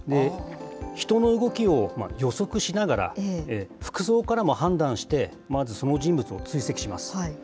人の動きを予測しながら、服装からも判断して、まずその人物を追跡します。